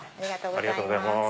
ありがとうございます。